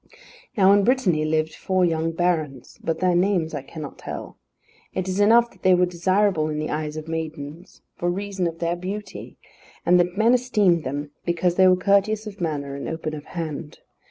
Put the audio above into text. Now in Brittany lived four young barons, but their names I cannot tell. It is enough that they were desirable in the eyes of maidens for reason of their beauty, and that men esteemed them because they were courteous of manner and open of hand.